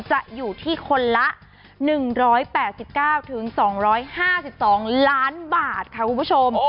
จะอยู่ที่คนละ๑๘๙๒๕๒ล้านบาทค่ะคุณผู้ชม